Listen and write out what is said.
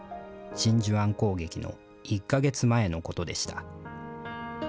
真珠湾攻撃の１か月前のことでした。